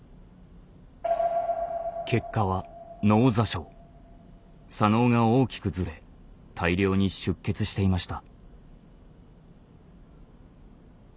結果は左脳が大きくずれ大量に出血していました。